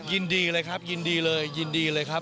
ยินดีเลยครับยินดีเลยยินดีเลยครับ